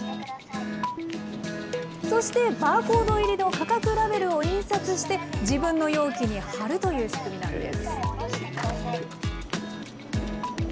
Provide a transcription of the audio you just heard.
そしてバーコード入りの価格ラベルを印刷して、自分の容器に貼るという仕組みなんです。